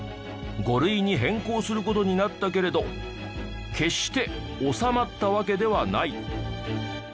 ５類に変更する事になったけれど決して収まったわけではない。